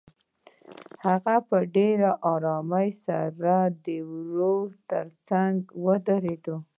هغه په ډېرې آرامۍ سره د وره تر څنګ ودرېده.